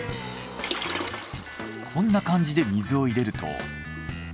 こんな感じで水を入れると。